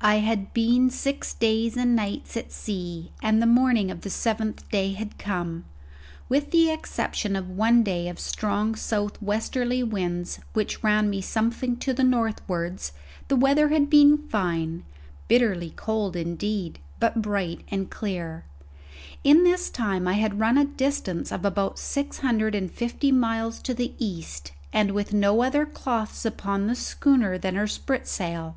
I had been six days and nights at sea, and the morning of the seventh day had come. With the exception of one day of strong south westerly winds, which ran me something to the northwards, the weather had been fine, bitterly cold indeed, but bright and clear. In this time I had run a distance of about six hundred and fifty miles to the east, and with no other cloths upon the schooner than her spritsail.